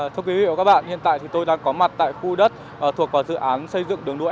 thưa quý vị và các bạn hiện tại thì tôi đang có mặt tại khu đất thuộc vào dự án xây dựng đường đua